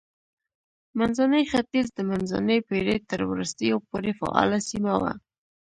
منځنی ختیځ د منځنۍ پېړۍ تر وروستیو پورې فعاله سیمه وه.